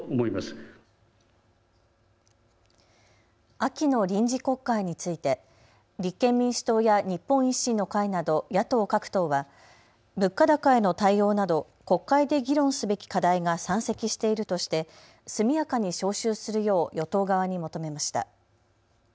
秋の臨時国会について立憲民主党や日本維新の会など野党各党は物価高への対応など国会で議論すべき課題が山積しているとして速やかに召集するよう与党側に求めました。